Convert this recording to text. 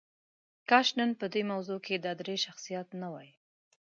کاش نن په دې موضوع کې دا درې شخصیات نه وای.